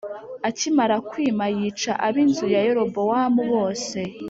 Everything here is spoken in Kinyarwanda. Akimara kwima yica ab’inzu ya Yerobowamu bose